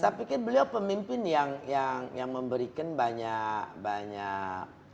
saya pikir beliau pemimpin yang memberikan banyak banyak